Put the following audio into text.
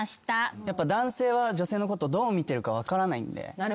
やっぱ男性は女性のことをどう見てるか分からないんで。